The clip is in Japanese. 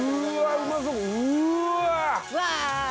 うわ！